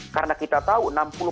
karena kita tahu